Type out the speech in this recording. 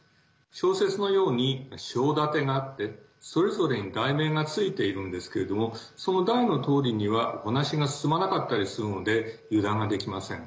小説のように章立てがあってそれぞれに題名がついているんですけれどもその題のとおりにはお話が進まなかったりするので油断ができません。